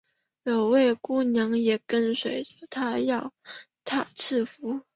有位姑娘也跟随着他饶塔祈福。